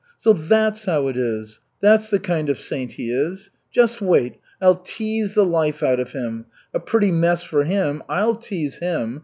"So that's how it is. That's the kind of saint he is. Just wait, I'll tease the life out of him. A pretty mess for him! I'll tease him.